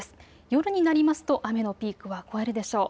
夜になりますと雨のピークは越えるでしょう。